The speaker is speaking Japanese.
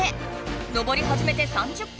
登りはじめて３０分。